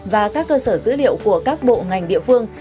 và các cơ sở dữ liệu của các bộ ngành địa phương